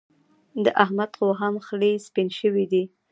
د احمد خو هم ډېر خلي سپين شوي دي.